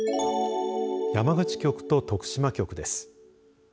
山口局と徳島局です。